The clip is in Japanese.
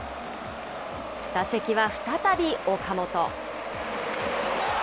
打席は再び岡本。